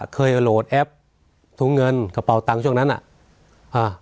เคยโหลดแอปถุงเงินกระเป๋าตังค์ช่วงนั้นอ่ะอ่า